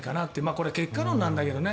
これ、結果論なんだけどね。